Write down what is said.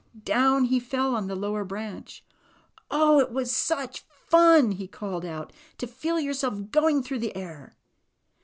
Down he fell on the lower branch. ^Dh! it was such fun,'' he called out, ^To feel yourself going through the air."